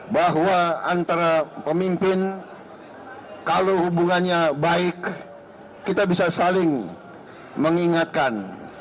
bahwa antara pemimpin kalau hubungannya baik kita bisa saling mengingatkan